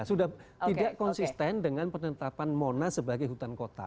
sudah tidak konsisten dengan penetapan monas sebagai hutan kota